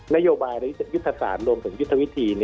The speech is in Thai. นโยบายยุทธศาสตร์รวมถึงยุทธวิธี